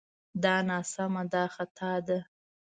دا ناسمه دا خطا ده